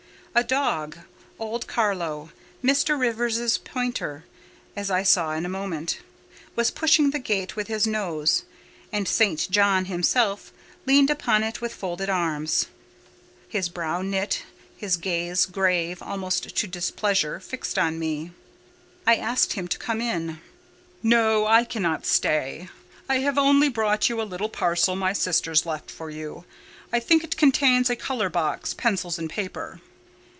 A dog—old Carlo, Mr. Rivers' pointer, as I saw in a moment—was pushing the gate with his nose, and St. John himself leant upon it with folded arms; his brow knit, his gaze, grave almost to displeasure, fixed on me. I asked him to come in. "No, I cannot stay; I have only brought you a little parcel my sisters left for you. I think it contains a colour box, pencils, and paper."